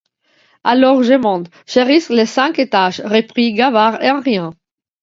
Alors, je monte, je risque les cinq étages, reprit Gavard en riant.